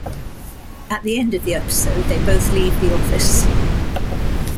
At the end of the episode, they both leave the office.